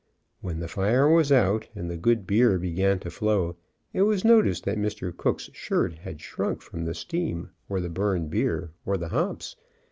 When the fire was out, and the good beer be LEARNING AN EASY TRADE 2OI gan to flow, it was noticed that Mr. Cook's shirt had shrunk from the steam, or the burned beer, or the hops?